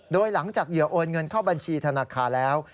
โดยหลังจากเหยื่อโอนเงินเข้าบัญชีธนาคารแล้ว